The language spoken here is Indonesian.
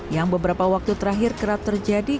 yang beberapa waktu terakhir kerap terjadi